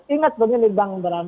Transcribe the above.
ingat pengenir bangun beram